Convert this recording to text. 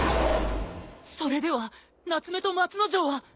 それではナツメと松之丞は！？